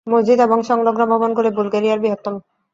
মসজিদ এবং সংলগ্ন ভবনগুলি বুলগেরিয়ার বৃহত্তম।